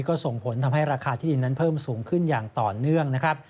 ก็ส่งผลทำให้ราคาที่ดินนั้นเพิ่มสูงขึ้นอย่างต่อเนื่องนะครับ